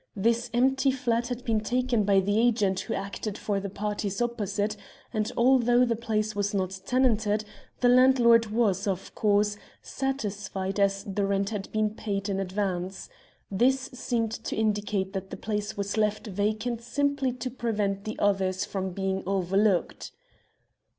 This empty flat had been taken by the agent who acted for the parties opposite, and although the place was not tenanted, the landlord was, of course, satisfied, as the rent had been paid in advance. This seemed to indicate that the place was left vacant simply to prevent the others from being overlooked."